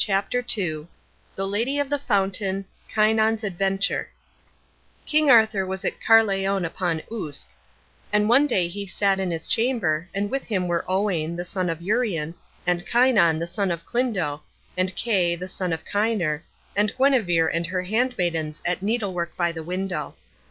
CHAPTER II THE LADY OF THE FOUNTAIN KYNON'S ADVENTURE King Arthur was at Caerleon upon Usk; and one day he sat in his chamber, and with him were Owain, the son of Urien, and Kynon, the son of Clydno, and Kay, the son of Kyner, and Guenever and her handmaidens at needlework by the window.